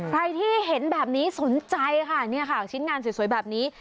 ใครที่เห็นแบบนี้สนใจค่ะเนี่ยค่ะชิ้นงานสวยแบบนี้